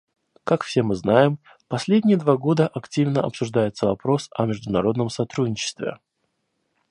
Как все мы знаем, в последние два года активно обсуждается вопрос о международном сотрудничестве.